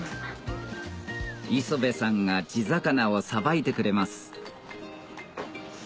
磯辺さんが地魚をさばいてくれます